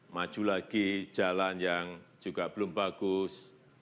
maju lagi jalan yang juga belum bagus